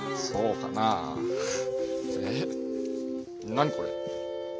何これ？